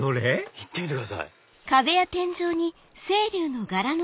いってみてください。